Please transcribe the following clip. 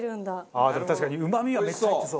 ああでも確かにうまみはめっちゃ入ってそう。